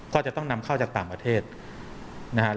ก็จะต้องนำเข้าจากต่างประเทศนะฮะ